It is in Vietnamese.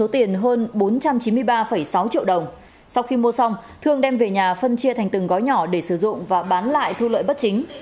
sáu sáu triệu đồng sau khi mua xong thương đem về nhà phân chia thành từng gói nhỏ để sử dụng và bán lại thu lợi bất chính